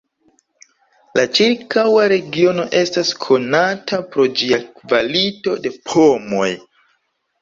La ĉirkaŭa regiono estas konata pro ĝia kvalito de pomoj.